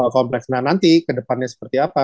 kompleks nah nanti kedepannya seperti apa